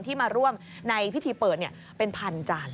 มาร่วมในพิธีเปิดเป็นพันจาน